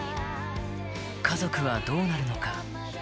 家族はどうなるのか。